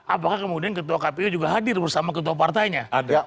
apakah kemudian ketua kpu juga hadir bersama ketua partainya